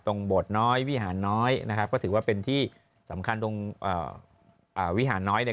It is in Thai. โบสถ์น้อยวิหารน้อยนะครับก็ถือว่าเป็นที่สำคัญตรงวิหารน้อยเนี่ย